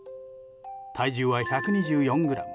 体重は１２４ｇ。